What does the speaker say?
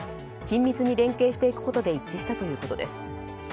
緊密に連携していくことで一致したということです。